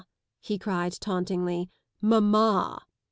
" he cried tauntingly, " Mamma!